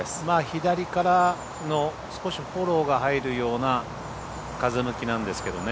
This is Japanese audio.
左からの少しフォローが入るような風向きなんですけどね。